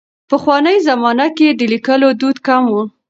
پخوانۍ زمانه کې د لیکلو دود کم و.